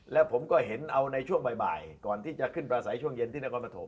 แล้วผมก็เห็นเอาในช่วงบ่ายก่อนที่จะขึ้นประสัยช่วงเย็นที่นครปฐม